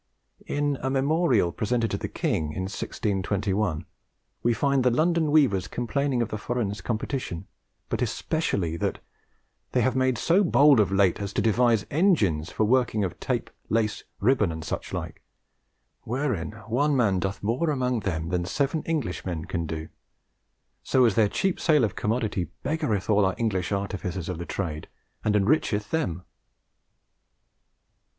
In a memorial presented to the king in 1621 we find the London weavers complaining of the foreigners' competition, but especially that "they have made so bould of late as to devise engines for working of tape, lace, ribbin, and such like, wherein one man doth more among them than 7 Englishe men can doe; so as their cheap sale of commodities beggereth all our Englishe artificers of that trade, and enricheth them."